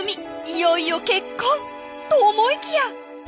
いよいよ結婚！と思いきや